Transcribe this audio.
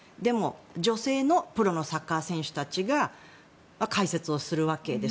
女性のプロのサッカー選手たちが解説をするわけです。